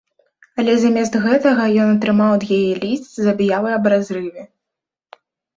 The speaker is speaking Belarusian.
Але замест гэтага ён атрымаў ад яе ліст з аб'явай аб разрыве.